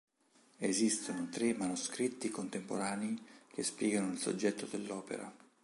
Esistono tre manoscritti contemporanei che spiegano il soggetto dell'opera.